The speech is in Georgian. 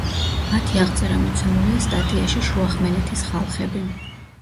მათი აღწერა მოცემულია სტატიაში შუახმელეთის ხალხები.